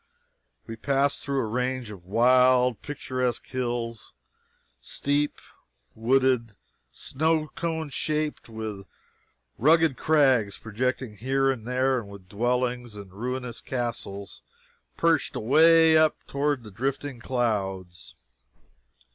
We passed through a range of wild, picturesque hills, steep, wooded, cone shaped, with rugged crags projecting here and there, and with dwellings and ruinous castles perched away up toward the drifting clouds.